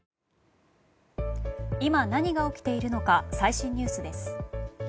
今何が起きているのか最新ニュースです。